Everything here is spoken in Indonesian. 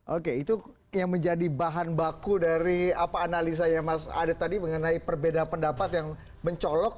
oke itu yang menjadi bahan baku dari analisanya mas adit tadi mengenai perbedaan pendapat yang mencolok